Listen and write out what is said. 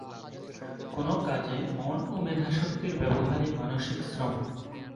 কোনো কাজে মন ও মেধাশক্তির ব্যবহারই মানসিক শ্রম।